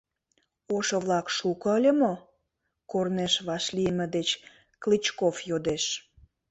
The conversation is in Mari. — Ошо-влак шуко ыле мо? — корнеш вашлийме деч Клычков йодеш.